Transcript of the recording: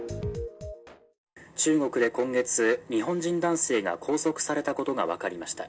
中国で今月日本人男性が拘束されたことが分かりました。